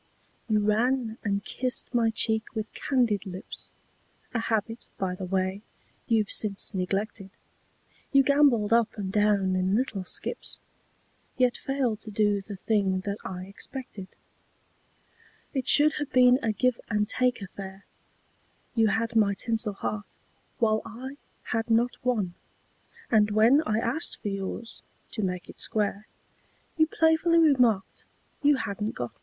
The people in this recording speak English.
You ran and kissed my cheek with candied lips, A habit, by the way, you've since neglected ; You gambolled up and down in little skips, Yet failed to do the thing that I expected. It should have been a give and take affair; You had my tinsel heart, while I had not one, And when I asked for yours, to make it square, You playfully remarked you hadn't got one.